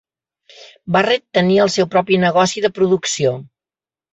Barrett tenia el seu propi negoci de producció.